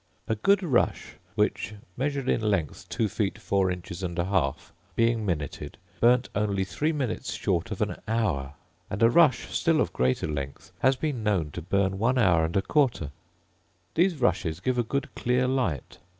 A good rush, which measured in length two feet four inches and an half, being minuted, burnt only three minutes short of an hour: and a rush still of greater length has been known to burn one hour and a quarter. These rushes give a good clear light.